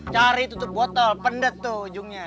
cari tutup botol pendet tuh ujungnya